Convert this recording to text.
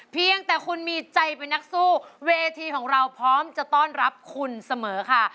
เพียงแต่คุณมีใจเป็นนักสู้เวทีของเราพร้อมจะต้อนรับคุณเสมอค่ะ